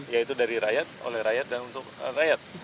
yaitu dari rakyat oleh rakyat dan untuk rakyat